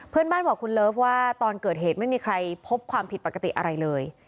บ้านบอกคุณเลิฟว่าตอนเกิดเหตุไม่มีใครพบความผิดปกติอะไรเลย